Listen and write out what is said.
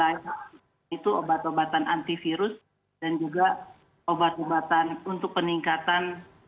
yaitu obat obatan antivirus dan juga obat obatan untuk peningkatan